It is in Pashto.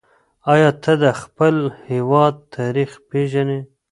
آیا ته د خپل هېواد تاریخ پېژنې؟